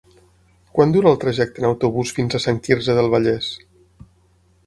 Quant dura el trajecte en autobús fins a Sant Quirze del Vallès?